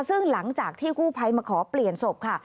ซึ่งหลังจากที่กู้ภัยมาขอเปลี่ยนศพค่ะ